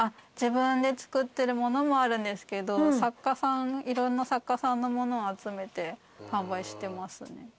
自分で作ってるものもあるんですけどいろんな作家さんのものを集めて販売してますね。